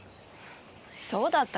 そうだったかな。